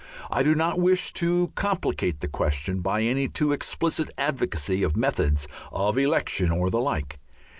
I do not wish to complicate the question by any too explicit advocacy of methods of election or the like.